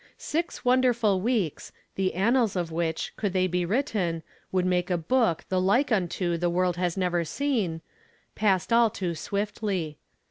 Six wonderful weeks, the annals of which, could they be written, would make a book the like unto which the world has never seen, passed all too swiftly.